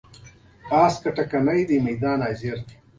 د مایا او ازتک او اینکا تمدنونه یې موضوعات دي.